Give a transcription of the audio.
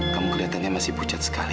kamu kelihatannya masih pucat sekali